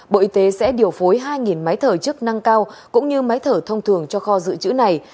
bộ y tế sẽ điều phối hai máy thở chức năng cao cũng như máy thở thông thường cho kho dự trữ này